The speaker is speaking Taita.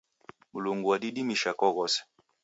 Mlungu wadidimisha kwa ghose.